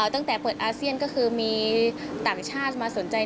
ตั้งแต่เปิดอาเซียนก็คือมีต่างชาติมาสนใจ